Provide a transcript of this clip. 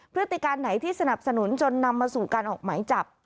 พฤติการไหนที่สนับสนุนจนนำมาสู่การออกหมายจับ